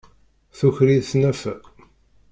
Tuker-iyi tnafa.